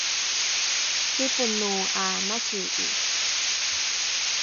ripono ’a masi’i